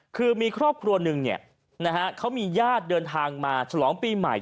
คือมีครอบครัวหนึ่งเขามีญาติเดินทางมาฉลองปีใหม่